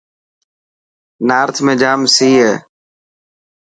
نارٿ ۾ جام سئي هي.